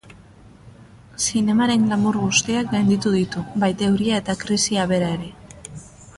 Zinemaren glamour guztiak gainditu ditu, baita euria eta krisia bera ere.